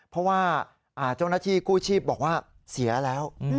เพราะว่าเจ้าหน้าที่กู้ชีพบอกว่าเสียแล้ว